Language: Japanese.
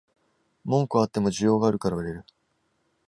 文句はあっても需要があるから売れる